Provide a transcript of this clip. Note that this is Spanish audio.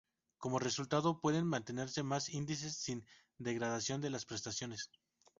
Como resultado pueden mantenerse más índices sin degradación de las prestaciones.